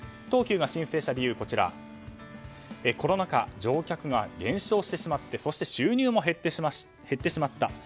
東急が申請した理由はコロナ禍乗客が減少してしまってそして収入も減ってしまった。